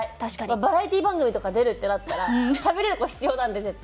バラエティー番組とか出るってなったらしゃべれる子必要なんで絶対。